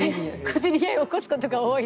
「小競り合いを起こす事が多い」？